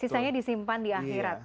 sisanya disimpan di akhirat